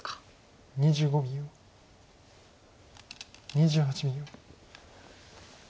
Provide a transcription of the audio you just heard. ２８秒。